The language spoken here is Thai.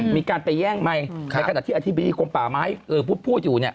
มีการไปแย่งไม่แต่กระดาษที่อธิบิติกลมป่าไม้พูดอยู่เนี่ย